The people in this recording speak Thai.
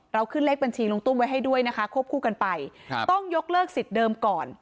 ขึ้นเลขบัญชีลุงตุ้มไว้ให้ด้วยนะคะควบคู่กันไปต้องยกเลิกสิทธิ์เดิมก่อน